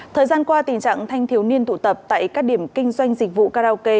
thời gian qua tình trạng thanh thiếu niên tụ tập tại các điểm kinh doanh dịch vụ karaoke